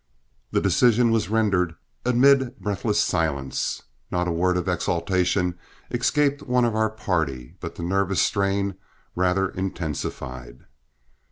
The decision was rendered amid breathless silence. Not a word of exultation escaped one of our party, but the nervous strain rather intensified.